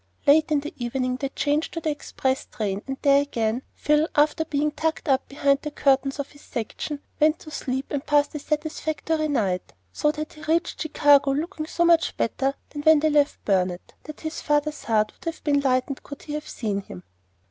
Late in the evening they changed to the express train, and there again, Phil, after being tucked up behind the curtains of his section, went to sleep and passed a satisfactory night, so that he reached Chicago looking so much better than when they left Burnet that his father's heart would have been lightened could he have seen him.